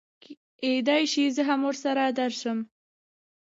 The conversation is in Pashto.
کېدی شي زه هم ورسره درشم